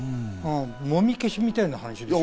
もみ消しみたいな話でしょ？